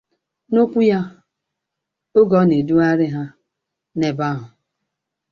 N'okwu ya oge ọ na-edugharị ha n'ebe ahụ